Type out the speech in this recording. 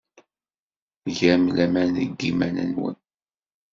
Tgam laman deg yiman-nwen?